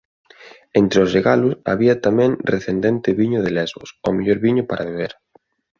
Entre os regalos había tamén recendente viño de Lesbos, o mellor viño para beber.